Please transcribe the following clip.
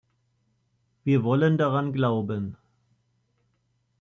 Wir wollen daran glauben.